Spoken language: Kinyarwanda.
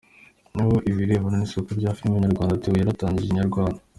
Naho ibirebana n'isoko rya filime nyarwanda, Theo yatangarije inyarwanda.